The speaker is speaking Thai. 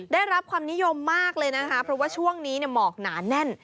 ได้รับความนิยมมากเลยนะคะเพราะว่าช่วงนี้หมอกหนาแน่น